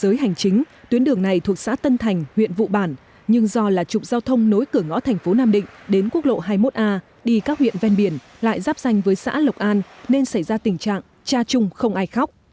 giới hành chính tuyến đường này thuộc xã tân thành huyện vụ bản nhưng do là trục giao thông nối cửa ngõ thành phố nam định đến quốc lộ hai mươi một a đi các huyện ven biển lại giáp danh với xã lộc an nên xảy ra tình trạng cha chung không ai khóc